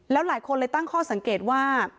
แล้วหลายคนเลยตั้งข้อสังเกตว่า